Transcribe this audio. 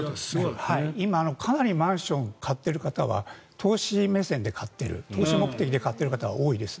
今、かなりマンションを買っている方は投資目線で買っている投資目的で買っている方は多いです。